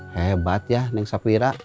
hebat ya neng safira